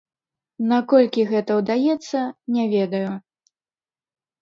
Наколькі гэта ўдаецца, не ведаю.